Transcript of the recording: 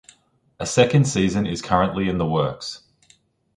A second season is currently in the works.